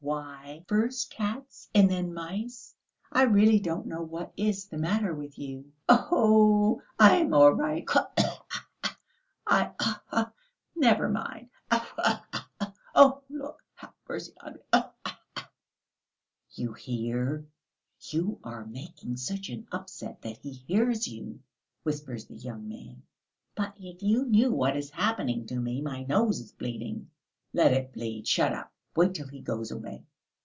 "Why, first cats and then mice, I really don't know what is the matter with you." "Oh, I am all right ... Khee ... I ... khee! Never mind ... khee khee khee khee! Oh! Lord have mercy on me ... khee." "You hear, you are making such an upset that he hears you," whispers the young man. "But if you knew what is happening to me. My nose is bleeding." "Let it bleed. Shut up. Wait till he goes away."